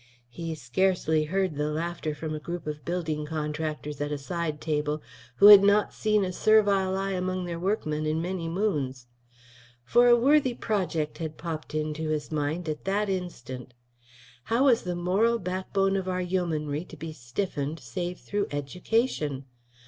He scarcely heard the laughter from a group of building contractors at a side table, who had not seen a servile eye among their workmen in many moons; for a worthy project had popped into his mind at that instant. How was the moral backbone of our yeomanry to be stiffened save through education?